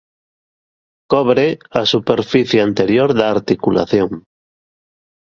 Cobre a superficie anterior da articulación.